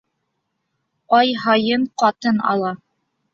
Ай һайын ҡатын ала